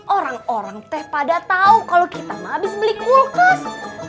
orang orang teh pada tahu kalau kita habis beli kulkas